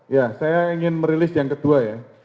ya saya ingin merilis yang kedua ya